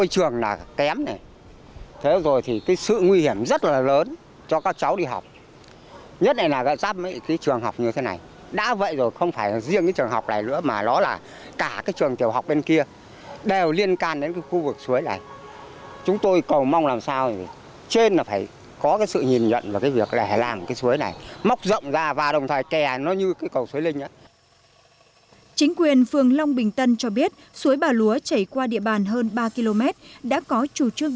chính quyền phương long bình tân cho biết suối bà lúa chảy qua địa bàn hơn ba km đã có chủ trương